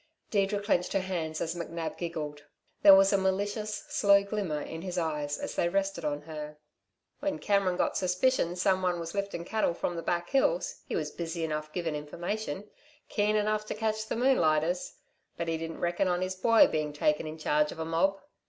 Deirdre clenched her hands as McNab giggled; there was a malicious, slow glimmer in his eyes as they rested on her. "When Cameron got a suspicion someone was liftin' cattle from the back hills, he was busy enough givin' information keen enough to catch the moonlighters! But he didn't reck'n on his boy being taken in charge of a mob.